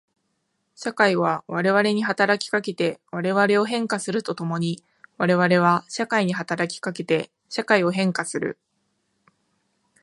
社会は我々に働きかけて我々を変化すると共に我々は社会に働きかけて社会を変化する。